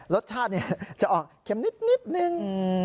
รสชาติจะออกเข็มนิดนึง